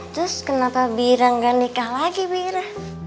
terus kenapa bira nggak nikah lagi bira